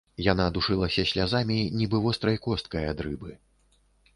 Яна душылася слязамі, нібы вострай косткай ад рыбы.